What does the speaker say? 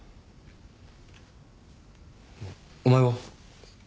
お前は？